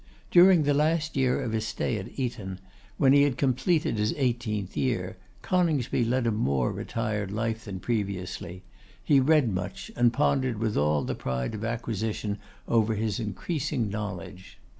During the last year of his stay at Eton, when he had completed his eighteenth year, Coningsby led a more retired life than previously; he read much, and pondered with all the pride of acquisition over his increasing knowledge.